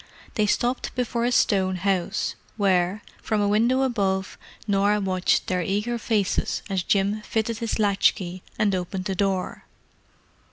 They stopped before a stone house, where, from a window above, Norah watched their eager faces as Jim fitted his latchkey and opened the door.